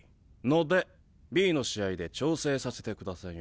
のでＢの試合で調整させてください。